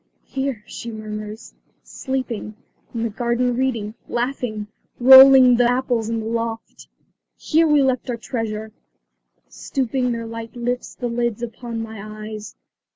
"Here," she murmurs, "sleeping; in the garden reading; laughing, rolling apples in the loft. Here we left our treasure " Stooping, their light lifts the lids upon my eyes.